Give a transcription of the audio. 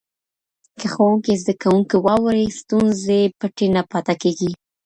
که ښوونکی زده کوونکي واوري، ستونزي پټې نه پاته کيږي.